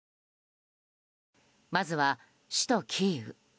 まずは首都キーウ。